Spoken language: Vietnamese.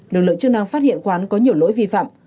lực lượng chức năng phát hiện quán có nhiều lỗi vi phạm